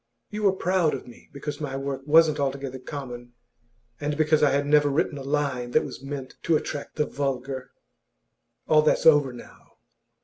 You were proud of me because my work wasn't altogether common, and because I had never written a line that was meant to attract the vulgar. All that's over now.